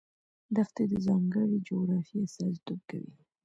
دښتې د ځانګړې جغرافیې استازیتوب کوي.